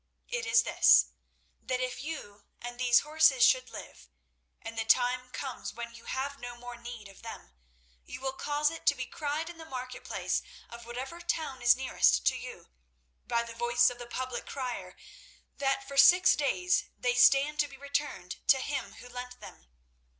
It is this, that if you and these horses should live, and the time comes when you have no more need of them, you will cause it to be cried in the market place of whatever town is nearest to you, by the voice of the public crier, that for six days they stand to be returned to him who lent them.